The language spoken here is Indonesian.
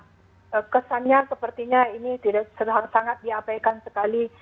sebenarnya sepertinya ini tidak sangat diapaikan sekali